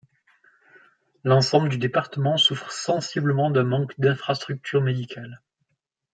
L'ensemble du département souffre sensiblement d'un manque d'infrastructures médicales.